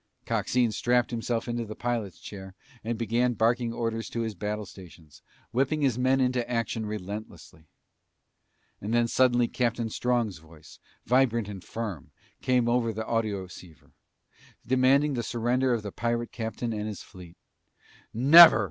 Coxine strapped himself in the pilot's chair and began barking orders to his battle stations, whipping his men into action relentlessly. And then suddenly Captain Strong's voice, vibrant and firm, came over the audioceiver, demanding the surrender of the pirate captain and his fleet. "Never!"